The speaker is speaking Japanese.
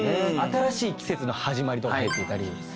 「新しい季節の始まり」とか入っていたり。